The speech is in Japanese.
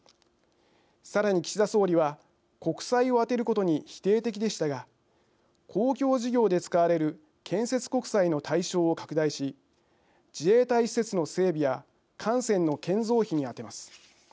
さらに岸田総理は国債を充てることに否定的でしたが公共事業で使われる建設国債の対象を拡大し自衛隊施設の整備や艦船の建造費に充てます。